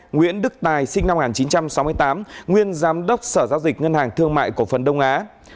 nguyễn đức tài sinh năm một nghìn chín trăm sáu mươi tám nguyên giám đốc sở giao dịch ngân hàng thương mại cổ phần đông á